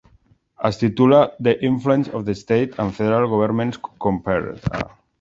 Es titula "The Influence of the State and Federal Governments Compared".